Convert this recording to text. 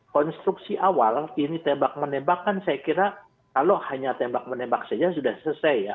konstruksi awal ini tembak menembak kan saya kira kalau hanya tembak menembak saja sudah selesai ya